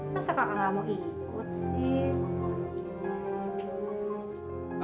masa kakak gak mau ikut sih